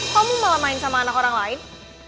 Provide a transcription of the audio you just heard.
kamu malah main sama anak orang lain